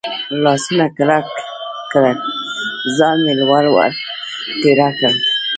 لاسونه کلک کړل، ځان مې لوړ ور ټېله کړ.